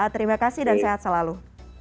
terima kasih dan sehat selalu